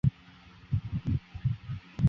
在弗内斯半岛的巴罗市建造。